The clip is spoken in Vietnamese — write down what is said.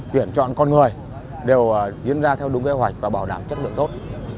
tuyển chọn con người đều diễn ra theo đúng kế hoạch và bảo đảm chất lượng tốt